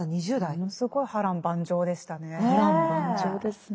ものすごい波乱万丈でしたね。